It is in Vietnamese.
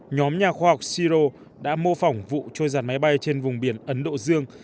nhóm nhà khoa học ciro đã mô phỏng vụ trôi giặt máy bay trên vùng biển ấn độ dương